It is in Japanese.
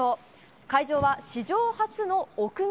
会場は史上初の屋外。